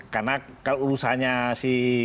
karena kalau urusannya si